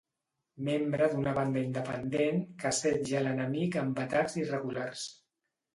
Membre d'una banda independent que assetja l'enemic amb atacs irregulars.